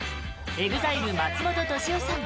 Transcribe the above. ＥＸＩＬＥ、松本利夫さん